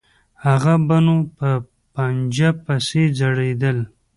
هغه به نو په پنجه پسې ځړېدل.